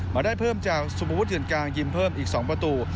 มาได้เพิ่มจากสุภวุฒเถื่อนกลางยิมเพิ่มอีก๒ประตู